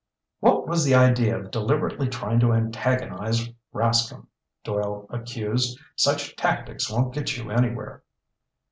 "What was the idea of deliberately trying to antagonize Rascomb?" Doyle accused. "Such tactics won't get you anywhere!"